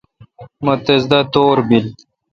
مہ تس دا تور بیل۔